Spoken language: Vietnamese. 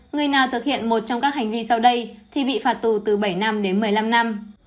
người nào thực hiện một trong các hành vi sau đây thì bị phạt tù từ bảy năm đến một mươi năm năm